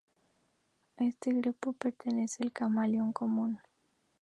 A este grupo pertenece el camaleón común.